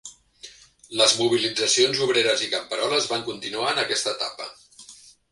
Les mobilitzacions obreres i camperoles van continuar en aquesta etapa.